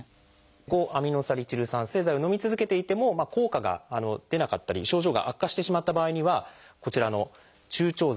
５−アミノサリチル酸製剤をのみ続けていても効果が出なかったり症状が悪化してしまった場合にはこちらの注腸剤。